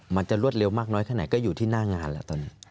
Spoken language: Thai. มันจะรวดเร็วมากน้อยแค่ไหนก็อยู่ที่หน้างานเลย